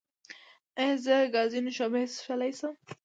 ایا زه ګازي نوشابې څښلی شم؟